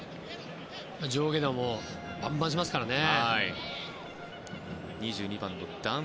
上下動もバンバンしますからね。